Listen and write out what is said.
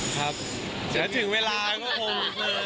ถึงเวลาก็คง